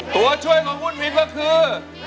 ตัวช่วยของหุ้นพลิกก็คือ